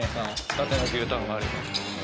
伊達の牛たんがあります。